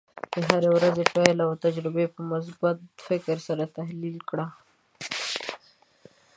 د هرې ورځې پایله او تجربې په مثبت فکر سره تحلیل کړه.